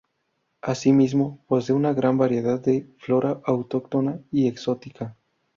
Asimismo, posee una gran variedad de flora autóctona y exótica.